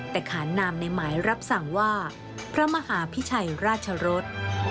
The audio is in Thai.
แต่ขานนามในหมายรับสั่งว่าพระมหาพิชัยราชรส